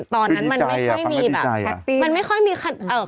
ตอนนั้นมันไม่ค่อยมีแบบ